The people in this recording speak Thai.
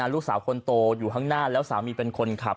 ลูกสาวคนโตอยู่ข้างหน้าแล้วสามีเป็นคนขับ